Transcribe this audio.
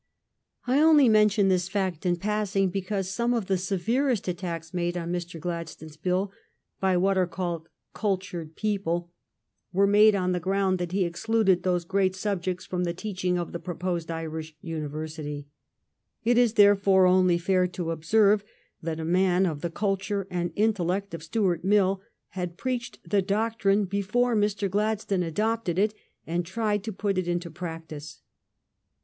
I only 288 THE STORY OF GLADSTONE'S LIFE mention this fact in passing because some of the severest attacks made oh Mr. Gladstone's bill by what are called cultured people were made on the ground that he excluded those great subjects from the teaching of the proposed Irish university. It is, therefore, only fair to observe that a man of the culture and intellect of Stuart Mill had preached the doctrine before Mr. Gladstone adopted it, and tried to put it into practice.